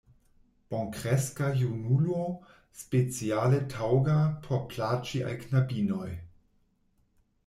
Bonkreska junulo, speciale taŭga, por plaĉi al knabinoj!